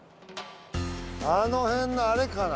あのへんのあれかな？